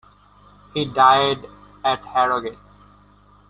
He died at Harrogate.